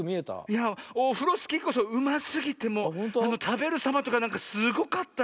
いやオフロスキーこそうますぎてもうたべるさまとかなんかすごかったわ。